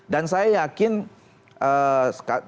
dan saya yakin walaupun ya mungkin orang orang yang menghargai itu